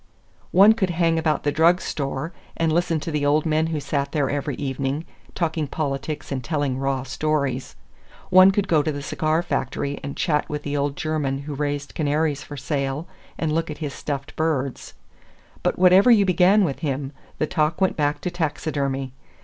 One could hang about the drug store, and listen to the old men who sat there every evening, talking politics and telling raw stories. One could go to the cigar factory and chat with the old German who raised canaries for sale, and look at his stuffed birds. But whatever you began with him, the talk went back to taxidermy.